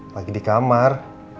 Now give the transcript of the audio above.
lagi di kamar